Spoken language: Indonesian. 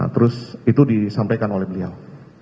terus itu disampaikan oleh beliau